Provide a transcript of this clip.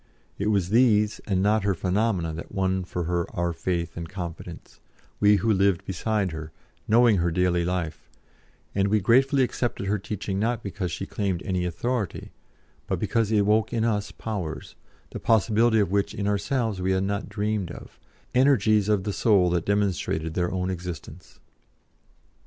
It was these, and not her phenomena, that won for her our faith and confidence we who lived beside her, knowing her daily life and we gratefully accepted her teaching not because she claimed any authority, but because it woke in us powers, the possibility of which in ourselves we had not dreamed of, energies of the Soul that demonstrated their own existence.